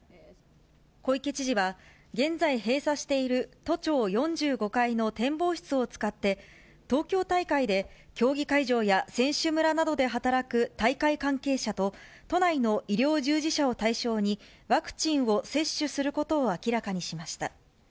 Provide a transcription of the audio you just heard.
小池知事は、現在閉鎖している都庁４５階の展望室を使って、東京大会で競技会場や選手村などで働く大会関係者と、都内の医療従事者を対象に、ワクチンを接種することを明らかにしました。